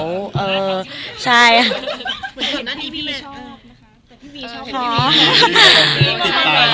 เห็นแบบนั้นดีดีชอบแม่